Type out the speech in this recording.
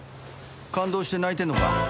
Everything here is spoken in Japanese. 感動して泣いてんのか？